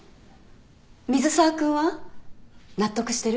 水沢君は？納得してる？